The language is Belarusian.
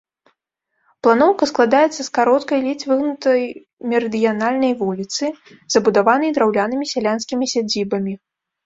Планоўка складаецца з кароткай, ледзь выгнутай мерыдыянальнай вуліцы, забудаванай драўлянымі сялянскімі сядзібамі.